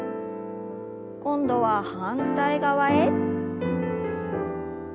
今度は反対側へ。